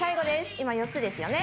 今、４つですよね。